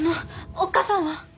おっ母さんは？